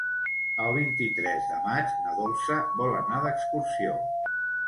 El vint-i-tres de maig na Dolça vol anar d'excursió.